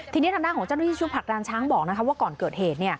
ทีนี้ทางด้านของเจ้าหน้าที่ชุดผลักดานช้างบอกว่าก่อนเกิดเหตุ